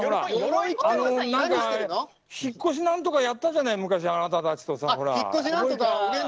引っ越しなんとかやったじゃないあなたたちとさ。